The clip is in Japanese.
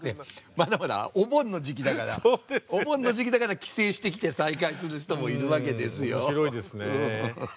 まだまだお盆の時期だからお盆の時期だから帰省してきて再会する人もいるわけですよ。